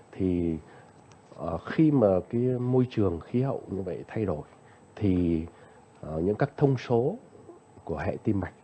thì khi mà cái môi trường khí hậu như vậy thay đổi thì những các thông số của hệ tim mạch